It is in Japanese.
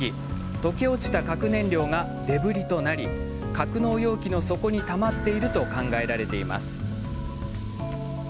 溶け落ちた核燃料がデブリとなり格納容器の底にたまっていると考えられています。